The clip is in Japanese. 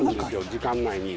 時間内に。